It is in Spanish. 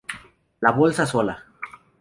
La bolsa sola.